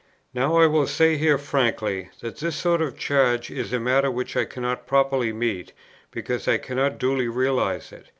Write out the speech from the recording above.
Now I will say here frankly, that this sort of charge is a matter which I cannot properly meet, because I cannot duly realize it.